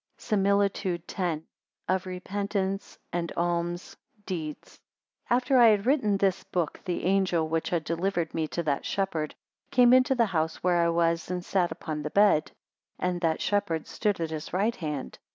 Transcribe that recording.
SIMILITUDE X. Of Repentance and alms deeds. AFTER I had written this book, the angel which had delivered me to that shepherd, came into the house where I was and sat upon the bed, and that shepherd stood at his right hand.